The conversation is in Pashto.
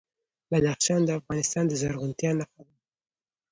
بدخشان د افغانستان د زرغونتیا نښه ده.